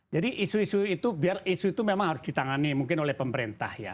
jadi isu isu itu biar isu itu memang harus ditangani mungkin oleh pemerintah ya